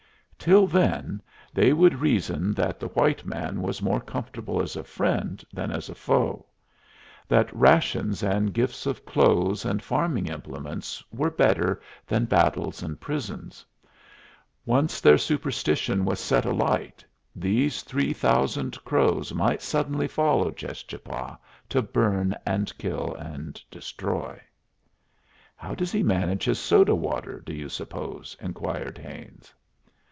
Till then they would reason that the white man was more comfortable as a friend than as a foe, that rations and gifts of clothes and farming implements were better than battles and prisons. Once their superstition was set alight, these three thousand Crows might suddenly follow Cheschapah to burn and kill and destroy. "How does he manage his soda water, do you suppose?" inquired Haines.